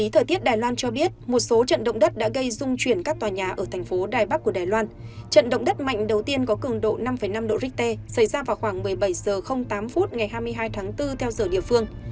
trận động đất mạnh đầu tiên có cường độ năm năm độ richter xảy ra vào khoảng một mươi bảy h tám phút ngày hai mươi hai tháng bốn theo giờ địa phương